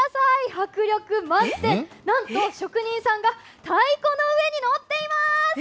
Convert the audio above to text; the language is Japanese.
迫力満点、なんと職人さんが太鼓の上に乗っています。